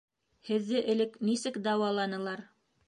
Һеҙҙе элек нисек дауаланылар?